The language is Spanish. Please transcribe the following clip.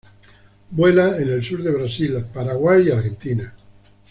Vuela en el sur de Brasil, Paraguay y Argentina.